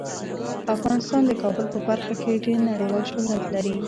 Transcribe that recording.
افغانستان د کابل په برخه کې ډیر نړیوال شهرت لري.